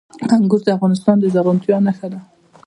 انګور د افغانستان د زرغونتیا نښه ده.